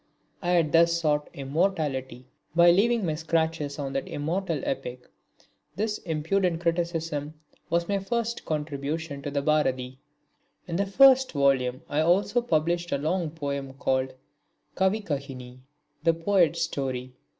I had thus sought immortality by leaving my scratches on that immortal epic. This impudent criticism was my first contribution to the Bharati. In the first volume I also published a long poem called Kavikahini, The Poet's Story.